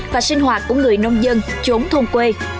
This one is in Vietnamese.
và sinh hoạt của người nông dân chốn thôn quê